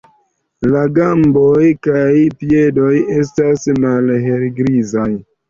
La gamboj kaj piedoj estas malhelgrizaj.